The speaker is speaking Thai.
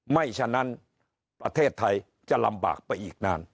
ฉะนั้นประเทศไทยจะลำบากไปอีกนาน